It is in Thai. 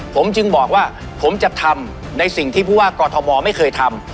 ผมจึงบอกว่าผมจะทำในสิ่งที่ผู้ว่ากอทมไม่เคยทำ